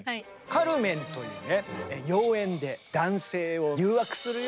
カルメンという妖艶で男性を誘惑するような女性。